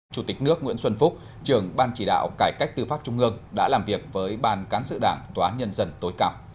chủ tịch nước nguyễn xuân phúc trường ban chỉ đạo cải cách tư pháp trung ương đã làm việc với ban cán sự đảng tòa án nhân dân tối cao